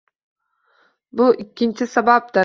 Bu ikkinchi sababdir